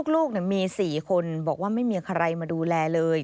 ลูกมี๔คนบอกว่าไม่มีใครมาดูแลเลย